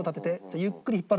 ゆっくり引っ張る。